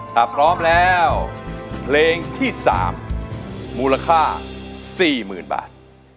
ถ้าพร้อมแล้วเพลงที่๓มูลค่า๔๐๐๐บาท